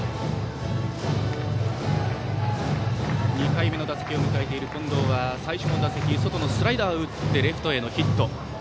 ２回目の打席を迎えている近藤は最初の打席外のスライダーを打ってレフトへのヒット。